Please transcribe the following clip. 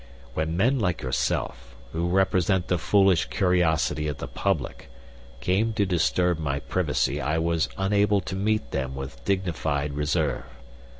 When men like yourself, who represent the foolish curiosity of the public, came to disturb my privacy I was unable to meet them with dignified reserve.